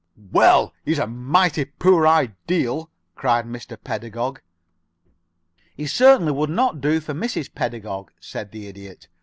"Well, he's a mighty poor ideal!" cried Mr. Pedagog. "He certainly would not do for Mrs. Pedagog," said the Idiot.